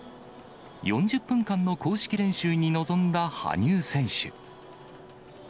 ４０分間の公式練習に臨んだ羽生選手。